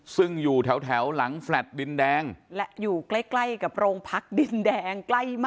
ซึ่งอยู่แถวหลังแฟลตดินแดงและอยู่ใกล้กับโรงพักดินแดง